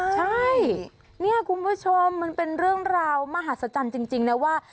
ใช่เนี่ยคุณผู้ชมมันเป็นเรื่องราวมหัศจรรย์จริงนะว่า